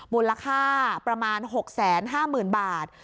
มูลค่าประมาณ๖๕๐๐๐บาท